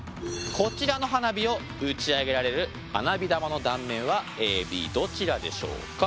こちらの花火を打ち上げられる花火玉の断面はＡＢどちらでしょうか。